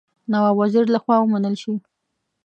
نواب وزیر له خوا ومنل شي.